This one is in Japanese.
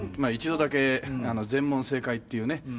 一度だけ全問正解っていうね